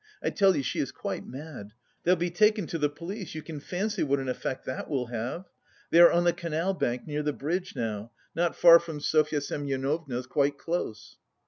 I tell you she is quite mad. They'll be taken to the police. You can fancy what an effect that will have.... They are on the canal bank, near the bridge now, not far from Sofya Semyonovna's, quite close."